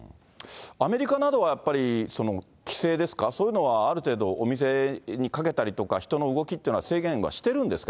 アメリカなどは、やっぱり規制ですか、そういうのはある程度、お店にかけたりとか、人の動きって、制限はしてるんですか？